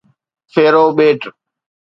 Pharaoh ٻيٽ